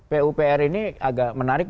pupr ini agak menarik